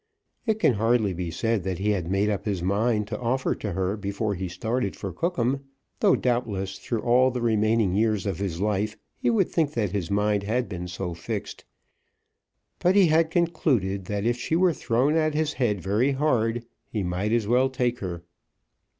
It can hardly be said that he had made up his mind to offer to her before he started for Cookham, though doubtless through all the remaining years of his life he would think that his mind had been so fixed, but he had concluded, that if she were thrown at his head very hard, he might as well take her.